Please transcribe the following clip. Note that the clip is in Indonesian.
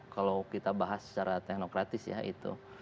kalau kita bahas secara teknokratis ya itu